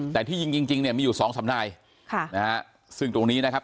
แต่ที่ยิงจริงจริงเนี่ยมีอยู่สองสำนายค่ะนะฮะซึ่งตรงนี้นะครับ